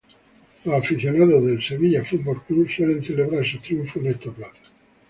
Los aficionados del Sevilla Fútbol Club suelen celebrar sus triunfos en esta plaza.